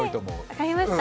分かりました。